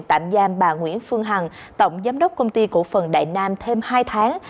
tạm giam bà nguyễn phương hằng tổng giám đốc công ty cổ phần đại nam thêm hai tháng